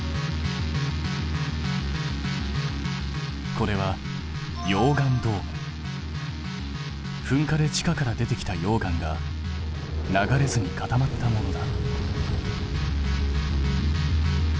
これは噴火で地下から出てきた溶岩が流れずに固まったものだ。